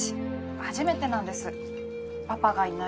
初めてなんですパパがいない夜って。